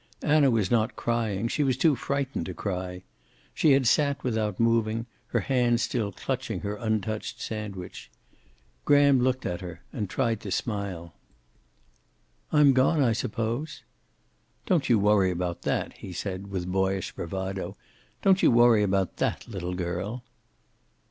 Anna was not crying; she was too frightened to cry. She had sat without moving, her hand still clutching her untouched sandwich. Graham looked at her and tried to smile. "I'm gone, I suppose?" "Don't you worry about that," he said, with boyish bravado. "Don't you worry about that, little girl."